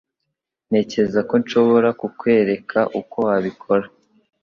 Ntekereza ko nshobora kukwereka uko wabikora.